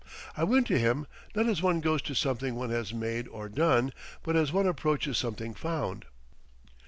I went to him, not as one goes to something one has made or done, but as one approaches something found.